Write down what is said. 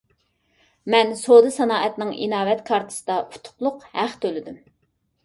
مەن سودا سانائەتنىڭ ئىناۋەت كارتىسىدا ئۇتۇقلۇق ھەق تۆلىدىم.